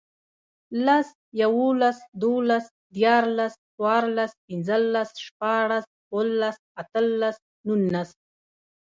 لس, یوولس, دوولس, دیرلس، څورلس, پنځلس, شپاړس, اووهلس, اتهلس, نونس